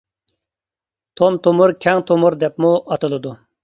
توم تومۇر كەڭ تومۇر دەپمۇ ئاتىلىدۇ.